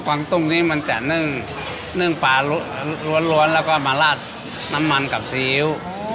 วางตุ้งนี้มันจะนึ่งนึ่งปลาล้วนแล้วก็มาลาดน้ำมันกับซีอิ๊ว